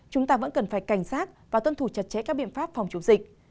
chúng ta vẫn cần phải cảnh sát và tuân thủ chặt chẽ các biện pháp phòng chống dịch